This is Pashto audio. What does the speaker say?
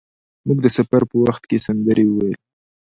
موږ د سفر په وخت کې سندرې ویل.